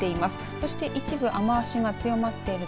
そして、一部雨足が強まっている所。